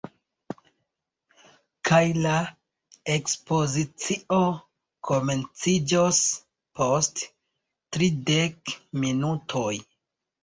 Kaj la ekspozicio komenciĝos post tridek minutoj